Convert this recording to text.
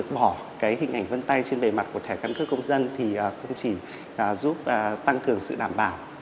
bỏ cái hình ảnh vân tay trên bề mặt của thẻ căn cước công dân thì không chỉ giúp tăng cường sự đảm bảo